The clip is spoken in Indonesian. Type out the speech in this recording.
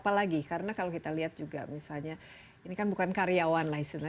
apalagi karena kalau kita lihat juga misalnya ini kan bukan karyawan lah istilahnya